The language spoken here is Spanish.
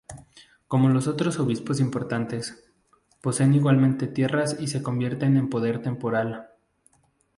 Como los otros obispos importantes, poseen igualmente tierras y se convierten en poder temporal.